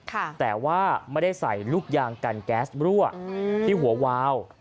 แต่ว่าไม่ได้ใส่ลูกยางกันแก๊สรั่วที่หัววาว